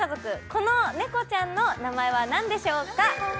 この猫ちゃんの名前は何でしょうか？